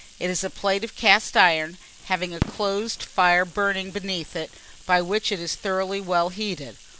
It is a plate of cast iron, having a closed fire burning beneath it, by which it is thoroughly well heated.